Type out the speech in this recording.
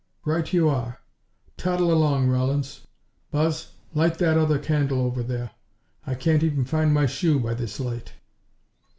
"Right you are. Toddle along, Rawlins. Buzz, light that other candle over there. I can't even find my shoe by this light."